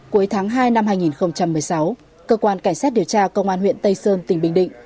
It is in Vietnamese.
cuối tháng hai năm hai nghìn một mươi sáu cơ quan cảnh sát điều tra công an huyện tây sơn tỉnh bình định